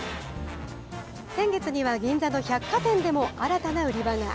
先月には銀座の百貨店でも新たな売り場が。